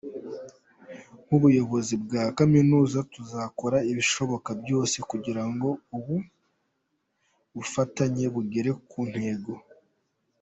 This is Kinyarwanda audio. Nk’ubuyobozi bwa kaminuza tuzakora ibishoboka byose kugira ngo ubu bufatanye bugere ku ntego.